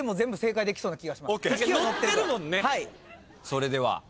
それでは。